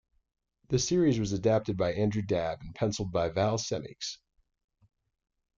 The series was adapted by Andrew Dabb and pencilled by Val Semeiks.